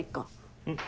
うん。